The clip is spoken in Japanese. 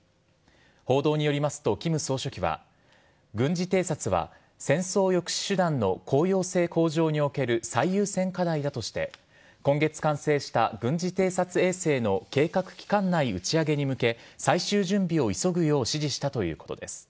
報道によりますと金総書記は軍事偵察は戦争抑止手段の効用性向上における最優先課題だとして今月完成した軍事偵察衛星の計画期間内打ち上げに向け最終準備を急ぐよう指示したということです。